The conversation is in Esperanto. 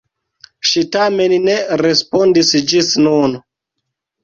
Ŝi tamen ne respondis ĝis nun.